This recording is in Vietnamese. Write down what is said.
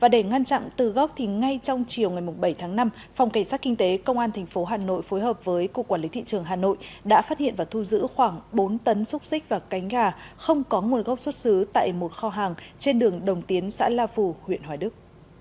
để ngăn chặn từ gốc ngay trong chiều ngày bảy tháng năm phòng cảnh sát kinh tế công an tp hà nội phối hợp với cục quản lý thị trường hà nội đã phát hiện và thu giữ khoảng bốn tấn xúc xích và cánh gà không có nguồn gốc xuất xứ tại một kho hàng trên đường đồng tiến xã la phù huyện hoài đức